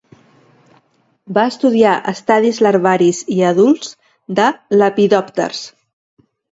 Va estudiar estadis larvaris i adults de lepidòpters.